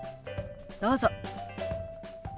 どうぞ。